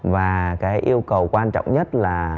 và cái yêu cầu quan trọng nhất là